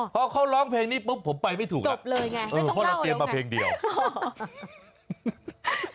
เพราะเขาร้องเพลงนี้ผมไปไม่ถูกอ่ะเพราะเราเตรียมมาเพลงเดียวจบเลยไงไม่ต้องเล่าเลย